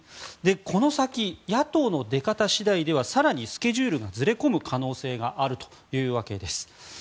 この先、野党の出方次第では更にスケジュールがずれ込む可能性があるということです。